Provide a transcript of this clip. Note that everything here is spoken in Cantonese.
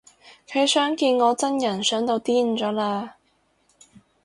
佢想見我真人想到癲咗喇